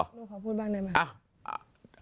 หนูขอพูดบ้างได้ไหม